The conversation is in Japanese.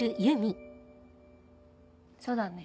そうだね。